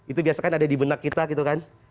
itu biasanya ada di benak kita gitu kan